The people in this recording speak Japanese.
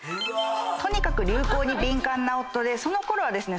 とにかく流行に敏感な夫でそのころはですね